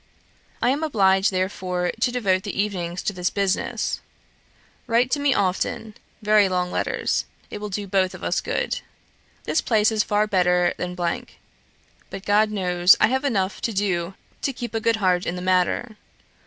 I am obliged, therefore, to devote the evenings to this business. Write to me often; very long letters. It will do both of us good. This place is far better than , but God knows, I have enough to do to keep a good heart in the matter.